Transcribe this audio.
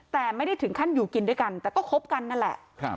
แต่ไม่ได้ถึงขั้นอยู่กินด้วยกันแต่ก็คบกันนั่นแหละ